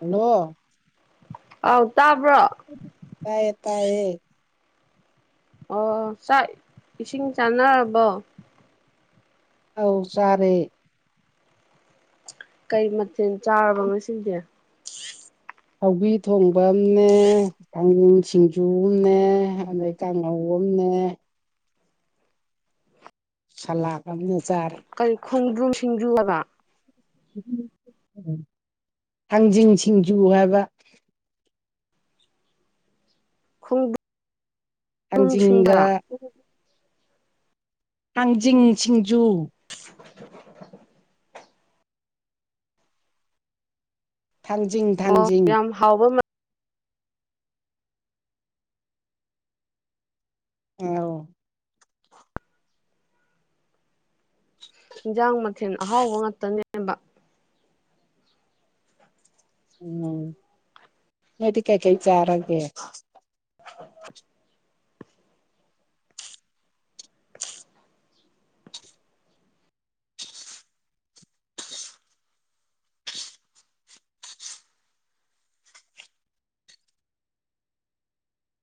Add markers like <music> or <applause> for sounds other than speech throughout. hello ꯑꯧ ꯇꯥꯕ꯭ꯔꯣ ꯇꯥꯏꯌꯦ ꯇꯥꯏꯌꯦ ꯑꯣ ꯆꯥꯛ ꯏꯁꯤꯡ ꯆꯥꯟꯅꯔꯕꯣ ꯑꯧ ꯆꯥꯔꯦ ꯀꯩ ꯃꯊꯦꯜ ꯆꯥꯔꯕ ꯉꯁꯤꯗꯤ ꯁꯧꯒ꯭ꯔꯤ ꯊꯣꯡꯕ ꯑꯝꯅꯦ ꯊꯥꯡꯖꯤꯡ ꯁꯤꯡꯖꯨ ꯑꯝꯅꯦ ꯑꯗꯒꯤ ꯀꯥꯡꯍꯧ ꯑꯝꯅꯦ ꯁꯂꯥꯛ ꯑꯝꯅꯦ ꯆꯥꯔꯦ ꯀꯔꯤ ꯈꯣꯡꯗ꯭ꯔꯨꯝ ꯁꯤꯡꯖꯨ ꯍꯥꯏꯕ ꯊꯥꯡꯖꯤꯡ ꯁꯤꯡꯖꯨ ꯍꯥꯏꯕ ꯈꯣꯡꯗ꯭ꯔꯨꯝ ꯊꯥꯡꯖꯤꯡꯒ ꯁꯤꯡꯕ ꯊꯥꯡꯖꯤꯡ ꯁꯤꯡꯖꯨ <inaudible> ꯊꯥꯡꯖꯤꯡ ꯑꯣ ꯊꯥꯡꯖꯤꯡ ꯌꯥꯝ ꯍꯥꯎꯕ ꯃ <unintelligible> ꯍꯤꯟꯖꯥꯡ ꯃꯊꯦꯟ ꯑꯍꯥꯎꯕ ꯉꯥꯛꯇꯅꯦꯕ ꯎꯝ ꯅꯣꯏꯗꯤ ꯀꯩ ꯀꯩ ꯆꯥꯔꯒꯦ <inaudible>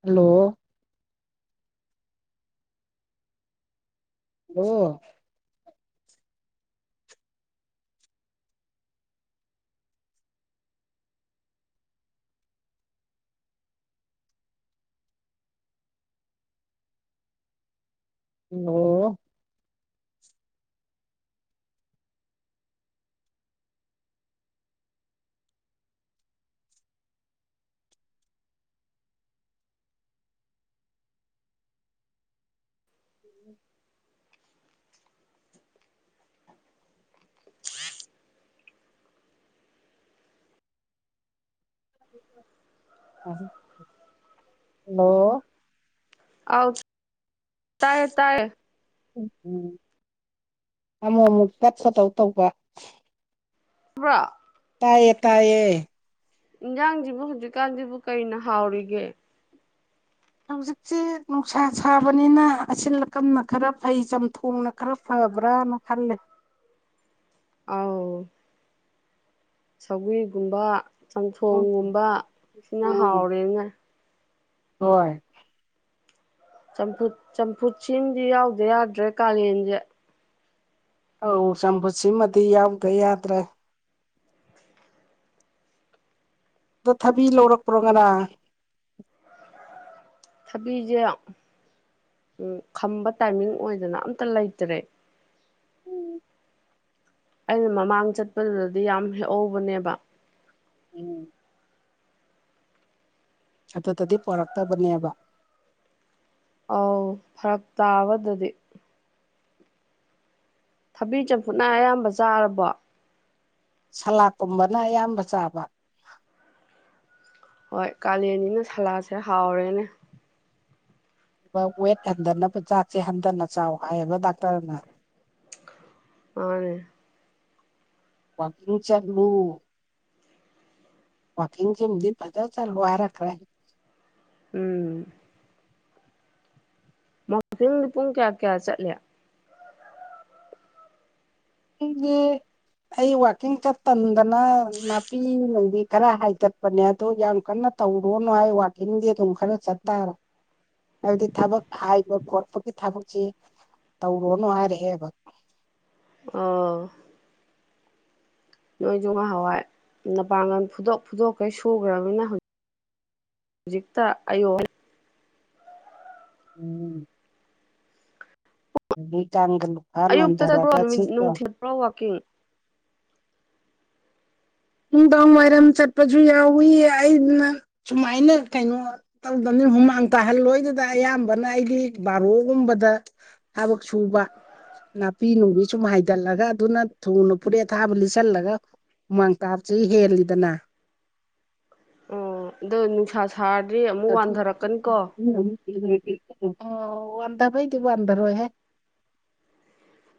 ꯍꯜꯂꯣ ꯍꯂꯣ ꯍꯜꯂꯣ <unintelligible> ꯍꯜꯂꯣ ꯑꯥꯎ ꯇꯥꯏꯌꯦ ꯇꯥꯏꯌꯦ ꯎꯝ ꯎꯝ ꯑꯃꯨꯛ ꯑꯃꯨꯛ ꯇꯠꯄꯗꯧ ꯇꯧꯕ <unintelligible> ꯇꯥꯏꯌꯦ ꯇꯥꯏꯌꯦ ꯏꯟꯁꯥꯡꯁꯤꯕꯨ ꯍꯧꯖꯤꯛꯀꯥꯟꯁꯤꯕꯨ ꯀꯩꯅ ꯍꯥꯎꯔꯤꯒꯦ ꯍꯧꯖꯤꯛꯁꯦ ꯅꯨꯡꯁꯥ ꯁꯥꯕꯅꯤꯅ ꯑꯁꯤꯜ ꯑꯀꯝꯅ ꯈꯔ ꯐꯩ ꯆꯝꯊꯣꯡꯅ ꯈꯔ ꯐꯕꯔꯅ ꯈꯜꯂꯦ ꯑꯥꯎ ꯁꯧꯒ꯭ꯔꯤꯒꯨꯝꯕ ꯎꯝ ꯆꯝꯊꯣꯡꯒꯨꯝꯕ ꯁꯤꯅ ꯎꯝ ꯍꯥꯎꯔꯦꯅꯦ ꯍꯣꯏ ꯆꯝꯐꯨꯠ ꯆꯝꯐꯨꯠ ꯁꯤꯝꯗꯤ ꯌꯥꯎꯗ ꯌꯥꯗ꯭ꯔꯦ ꯀꯥꯂꯦꯟꯁꯦ ꯑꯧ ꯆꯝꯐꯨꯠꯁꯤꯃꯗꯤ ꯌꯥꯎꯗ ꯌꯥꯗ꯭ꯔꯦ ꯑꯗꯣ ꯊꯥꯕꯤ ꯂꯧꯔꯛꯄ꯭ꯔꯣ ꯉꯔꯥꯡ ꯊꯕꯤꯖꯦ ꯈꯝꯕ ꯇꯥꯏꯃꯤꯡ ꯑꯣꯏꯗꯅ ꯑꯝꯇ ꯂꯩꯇ꯭ꯔꯦ ꯑꯩꯅ ꯃꯃꯥꯡ ꯆꯠꯄꯗꯨꯗꯗꯤ ꯌꯥꯝ ꯍꯦꯛꯍꯧꯕꯅꯦꯕ <unintelligible> ꯑꯗꯨꯗꯗꯤ ꯄꯣꯔꯛꯇꯕꯅꯦꯕ ꯑꯧ ꯐꯔꯛ ꯇꯥꯕ ꯑꯗꯗꯤ ꯊꯕꯤ ꯆꯝꯐꯨꯠꯅ ꯑꯌꯥꯝꯕ ꯆꯥꯔꯕꯣ ꯁꯂꯥꯛꯀꯨꯝꯕꯅ ꯑꯌꯥꯝꯕ ꯆꯥꯕ ꯍꯣꯏ ꯀꯥꯂꯦꯟꯅꯤꯅ ꯁꯂꯥꯛꯁꯦ ꯍꯥꯎꯔꯦꯅꯦ ꯋꯦꯇ ꯍꯟꯊꯅꯕ ꯆꯥꯛꯁꯦ ꯍꯟꯊꯅ ꯆꯥꯎ ꯍꯥꯏꯌꯦꯕ ꯗꯥꯛꯇꯔꯅ ꯃꯅꯦ ꯋꯥꯀꯤꯡ ꯆꯠꯂꯨ ꯋꯥꯀꯤꯡ ꯁꯤꯃꯗꯤ ꯐꯖꯅ ꯆꯠꯂꯨ ꯍꯥꯏꯔꯛꯈꯔꯦ ꯎꯝ ꯋꯥꯀꯤꯡꯗꯤ ꯄꯨꯡ ꯀꯌꯥ ꯀꯌꯥ ꯆꯠꯂꯤ ꯑꯩꯗꯤ ꯑꯩ ꯋꯥꯛꯀꯤꯡ ꯆꯠ ꯇꯟꯗꯅ ꯅꯥꯄꯤꯅꯨꯡꯕꯤ ꯈꯔ ꯍꯥꯏꯗꯠꯄꯅꯦ ꯑꯗꯣ ꯌꯥꯝ ꯀꯟꯅ ꯇꯧꯔꯣꯅꯨ ꯍꯥꯏ ꯋꯥꯀꯤꯡꯗꯤ ꯑꯗꯨꯝ ꯈꯔ ꯆꯠꯇꯥꯔꯦ ꯍꯥꯏꯕꯗꯤ ꯊꯕꯛ ꯍꯥꯏꯕ ꯈꯣꯠꯄꯒꯤ ꯊꯕꯛꯁꯤ ꯇꯧꯔꯣꯅꯨ ꯍꯥꯏꯔꯛꯑꯦꯕ ꯑꯥ ꯅꯣꯏꯁꯨ ꯉꯍꯥꯟꯋꯥꯏ ꯅꯄꯥꯡꯒꯜ ꯐꯨꯗꯣꯛ ꯐꯨꯗꯣꯛꯈꯩ ꯁꯨꯒꯔꯕꯅꯤꯅ ꯍꯧꯖꯤꯛ ꯍꯧꯖꯤꯛꯇ ꯑꯌꯣ ꯍꯥꯏꯔ <unintelligible> ꯑꯌꯨꯛꯇ ꯆꯠꯄ꯭ꯔꯣ ꯅꯣꯟꯊꯔꯒ ꯁꯤꯠꯂꯣ ꯅꯨꯡꯊꯤꯜꯄ꯭ꯔꯣ ꯋꯥꯛꯀꯤꯡ ꯅꯨꯡꯗꯥꯡ ꯋꯥꯏꯔꯝ ꯆꯠꯄꯖꯨ ꯌꯥꯎꯏ ꯑꯩꯅ ꯁꯨꯃꯥꯏꯅ ꯀꯩꯅꯣ ꯇꯧꯗꯝꯅꯤ ꯍꯨꯃꯥꯡ ꯇꯥꯍꯜꯂꯣꯏꯗꯨꯗ ꯑꯌꯥꯝꯕꯅ ꯑꯩꯗꯤ ꯕꯥꯔꯣꯒꯨꯝꯕꯗ ꯊꯥꯕꯛ ꯁꯨꯕ ꯅꯥꯄꯤ ꯅꯨꯡꯕꯤ ꯁꯨꯝ ꯍꯥꯏꯗꯠꯂꯒ ꯑꯗꯨꯅ ꯊꯨꯅ ꯐꯨꯔꯤꯠ ꯑꯊꯥꯕ ꯂꯤꯠꯁꯜꯂꯒ ꯍꯨꯃꯥꯡ ꯀꯥꯞꯆꯤ ꯍꯦꯜꯂꯤꯗꯅ ꯑꯣ ꯗꯣ ꯅꯨꯡꯁꯥ ꯁꯥꯔꯗꯤ ꯑꯃꯨꯛ ꯋꯥꯟꯊꯔꯛꯀꯅꯤ ꯀꯣ ꯑꯣ ꯋꯥꯟꯙꯕꯩꯗꯤ ꯋꯥꯟꯙꯔꯣꯏꯍꯦ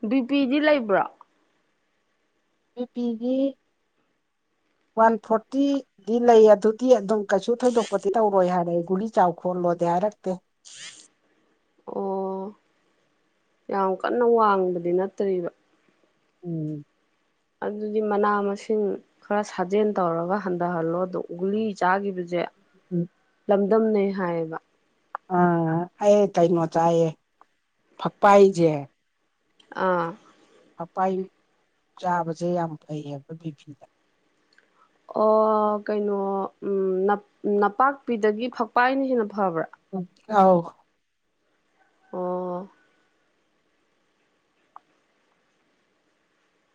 ꯕꯤ ꯄꯤꯗꯤ ꯂꯩꯕ꯭ꯔꯣ ꯕꯤ ꯄꯤꯗꯤ ꯋꯥꯟ ꯐꯣꯔꯇꯤ ꯗꯤ ꯂꯩ ꯑꯗꯨꯗꯤ ꯑꯗꯨꯝ ꯀꯩꯁꯨ ꯊꯣꯏꯗꯣꯛꯄꯗꯤ ꯇꯧꯔꯣꯏ ꯍꯥꯏꯔꯦ ꯒꯨꯂꯤ ꯆꯥꯎ ꯈꯣꯠꯂꯣꯗꯤ ꯍꯥꯏꯔꯛꯇꯦ ꯑꯣ ꯌꯥꯝ ꯀꯟꯅ ꯋꯥꯡꯕꯗꯤ ꯅꯠꯇ꯭ꯔꯤꯕ ꯎꯝ ꯑꯗꯨꯗꯤ ꯃꯅꯥ ꯃꯁꯤꯡ ꯈꯔ ꯁꯥꯖꯦꯟ ꯇꯧꯔꯒ ꯍꯟꯗꯍꯜꯂꯣ ꯗꯣ ꯒꯨꯂꯤ ꯆꯥꯒꯤꯕꯖꯦ ꯎꯝ ꯂꯝꯗꯝꯅꯩ ꯍꯥꯏꯌꯦꯕ ꯑꯥ ꯑꯩ ꯀꯩꯅꯣ ꯆꯥꯏꯌꯦ ꯐꯛꯄꯥꯏꯖꯦ ꯑꯥ ꯐꯛꯄꯥꯏ ꯆꯥꯕꯁꯦ ꯌꯥꯝ ꯐꯩꯌꯦ ꯈꯣꯏ ꯕꯤꯄꯤꯗ ꯑꯣ ꯀꯩꯅꯣ ꯎꯝ ꯅꯞ ꯅꯄꯥꯛꯄꯤꯗꯒꯤ ꯐꯛꯄꯥꯏꯅ ꯍꯦꯟꯅ ꯐꯕ꯭ꯔꯥ ꯑꯥꯎ ꯑꯣ